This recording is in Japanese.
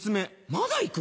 まだ行く？